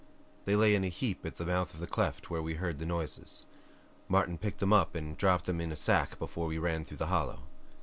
"They lay in a little heap at the mouth of the cleft where we heard the noises. Martin picked them up and dropped them in a sack before we ran through the hollow.